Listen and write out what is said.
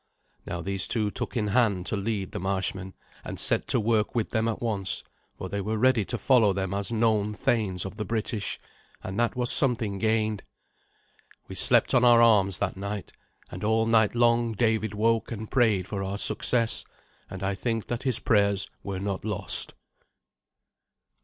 Now these two took in hand to lead the marshmen, and set to work with them at once, for they were ready to follow them as known thanes of the British. And that was something gained. We slept on our arms that night, and all night long David woke and prayed for our success, and I think that his prayers were not lost.